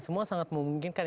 semua sangat memungkinkan